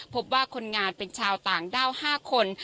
พบว่าคนงานเป็นชาวต่างด้าว๕คน